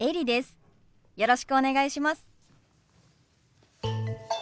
よろしくお願いします。